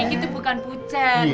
ini tuh bukan pucet